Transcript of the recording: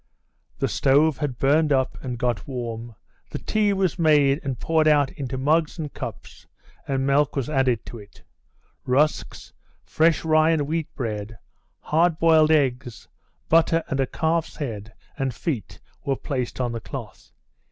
The stove had burned up and got warm, the tea was made and poured out into mugs and cups, and milk was added to it; rusks, fresh rye and wheat bread, hard boiled eggs, butter, and calf's head and feet were placed on the cloth.